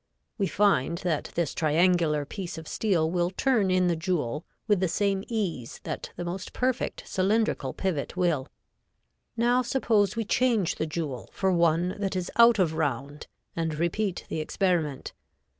We find that this triangular piece of steel will turn in the jewel with the same ease that the most perfect cylindrical pivot will. Now suppose we change the jewel for one that is out of round and repeat the experiment.